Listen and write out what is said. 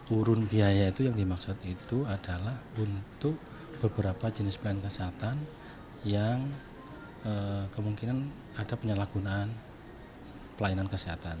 urun biaya itu yang dimaksud itu adalah untuk beberapa jenis pelayanan kesehatan yang kemungkinan ada penyalahgunaan pelayanan kesehatan